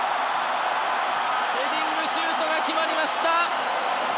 ヘディングシュートが決まりました。